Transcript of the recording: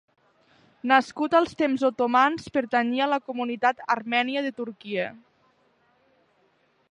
Nascut als temps otomans, pertanyia a la comunitat armènia de Turquia.